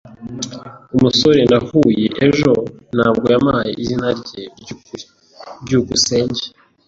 Umusore nahuye ejo ntabwo yampaye izina rye ryukuri. byukusenge